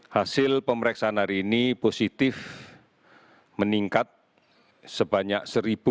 hasil pemeriksaan hari ini positif meningkat sebanyak satu satu ratus sembilan puluh delapan